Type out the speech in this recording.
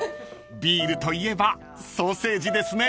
［ビールといえばソーセージですね］